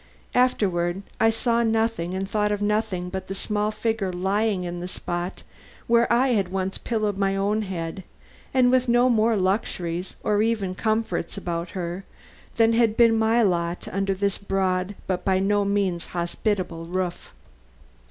Afterward, I saw nothing and thought of nothing but the small figure lying in the spot where I had once pillowed my own head, and with no more luxuries or even comforts about her than had been my lot under this broad but by no means hospitable roof.